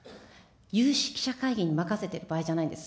有識者会議に任せてる場合じゃないんです。